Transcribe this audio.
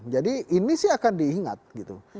jadi ini sih akan diingat gitu